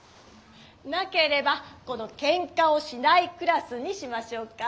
なければこの「ケンカをしないクラス」にしましょうか。